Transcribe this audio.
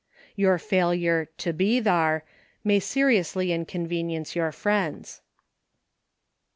Your failure "to be thar" may seriously in convenience your friends.